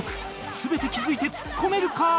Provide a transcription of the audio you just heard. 全て気付いてツッコめるか？